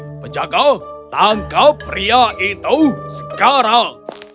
hebat sekali penjaga tangkap pria itu sekarang